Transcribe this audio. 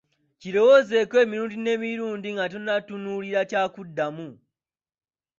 Kirowoozeeko emirundi n'emirundi nga tonnatunula ku kyakuddamu.